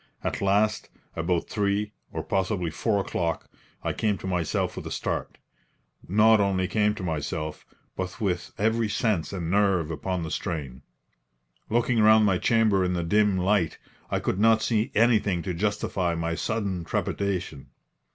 At last, about 3 or possibly 4 o'clock, I came to myself with a start not only came to myself, but with every sense and nerve upon the strain. Looking round my chamber in the dim light, I could not see anything to justify my sudden trepidation.